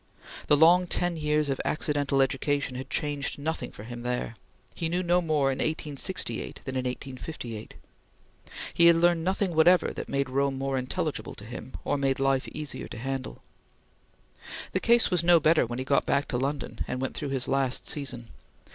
The long ten years of accidental education had changed nothing for him there. He knew no more in 1868 than in 1858. He had learned nothing whatever that made Rome more intelligible to him, or made life easier to handle. The case was no better when he got back to London and went through his last season.